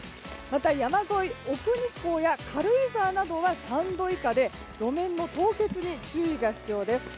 また、山沿い奥日光や軽井沢などは３度以下で路面の凍結に注意が必要です。